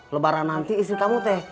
lebaran nanti istri kamu teh